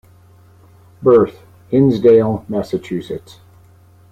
Birth: Hinsdale, Mass.